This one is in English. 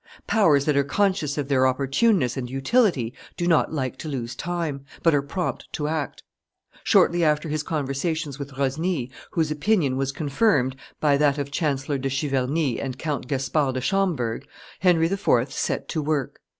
] Powers that are conscious of their opportuneness and utility do not like to lose time, but are prompt to act. Shortly after his conversations with Rosny, whose opinion was confirmed by that of Chancellor de Chiverny and Count Gaspard de Schomberg, Henry IV. set to work.